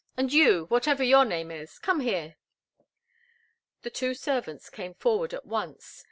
And you whatever your name is come here!" The two servants came forward at once.